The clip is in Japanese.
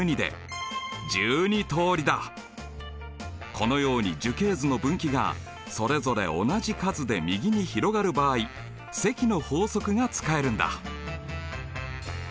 このように樹形図の分岐がそれぞれ同じ数で右に広がる場合積の法則が使えるんだ。